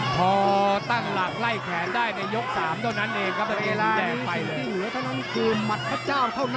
พอตั้งหลักไล่แขนได้ในยก๓เท่านั้นเองครับครับเอไลน์